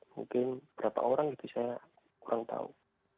mungkin beberapa orang jadi saya kurang tahu